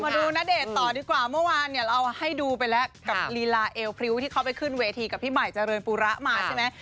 ณเดชน์ต่อดีกว่าเมื่อวานเนี่ยเราให้ดูไปแล้วกับลีลาเอวพริ้วที่เขาไปขึ้นเวทีกับพี่ใหม่เจริญปูระมาใช่ไหม